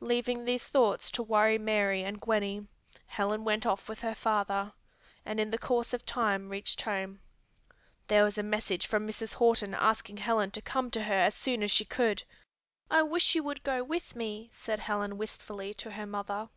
Leaving these thoughts to worry Mary and Gwenny, Helen went off with her father, and in the course of time reached home. There was a message from Mrs. Horton asking Helen to come to her as soon as she could. "I wish you would go with me," said Helen wistfully to her mother.